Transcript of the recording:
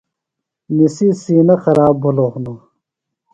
نِسی سِینہ خراب بِھلوۡ ہِنوۡ۔